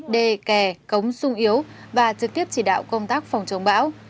đề kè cống sung yếu và trực tiếp chỉ đạo công tác phòng chống bão